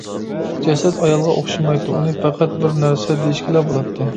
جەسەت ئايالغا ئوخشىمايتتى، ئۇنى پەقەت بىر «نەرسە» دېيىشكىلا بولاتتى.